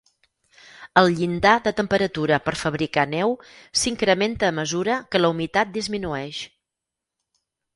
El llindar de temperatura per fabricar neu s'incrementa a mesura que la humitat disminueix.